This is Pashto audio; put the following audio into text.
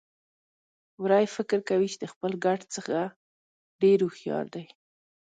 وری فکر کوي چې د خپل ګډ څخه ډېر هوښيار دی.